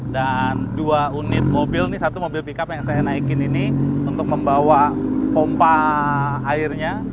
dua unit mobil ini satu mobil pickup yang saya naikin ini untuk membawa pompa airnya